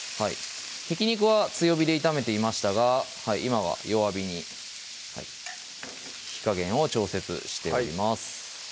ひき肉は強火で炒めていましたが今は弱火に火加減を調節しております